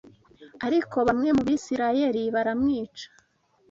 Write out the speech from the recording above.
ariko bamwe mu Bisirayeli baramwica